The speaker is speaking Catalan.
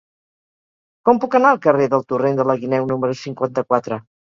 Com puc anar al carrer del Torrent de la Guineu número cinquanta-quatre?